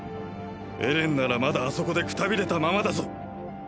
エレンならまだあそこでくたびれたままだぞ？